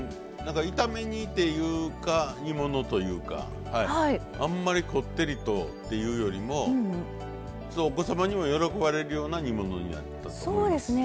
炒め煮っていうか煮物というかあんまりこってりとっていうよりもお子様にも喜ばれるような煮物になってます。